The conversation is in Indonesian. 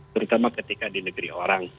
terutama ketika di negeri orang